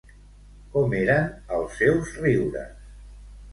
Com eren els seus riures?